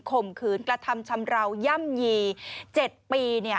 ข่มขืนกระทำชำราวย่ำยี๗ปีเนี่ย